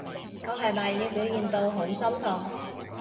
我係咪要表現到好心痛？